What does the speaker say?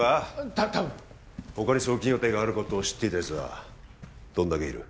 たたぶん他に送金予定があることを知っていたやつはどんだけいる？